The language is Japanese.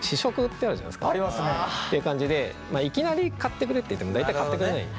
っていう感じでいきなり買ってくれって言っても大体買ってくれない。